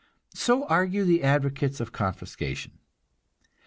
So argue the advocates of confiscation.